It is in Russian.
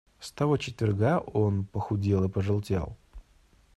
С того четверга он похудел и пожелтел.